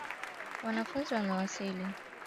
Wanafunzi wamewasili.